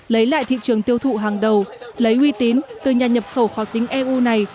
lấy lại thị trường tiêu thụ hàng đầu lấy uy tín từ nhà nhập khẩu khó tính eu này